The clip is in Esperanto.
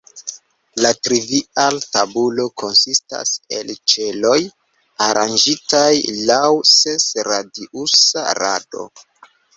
La trivial-tabulo konsistas el ĉeloj aranĝitaj laŭ ses-radiusa rado.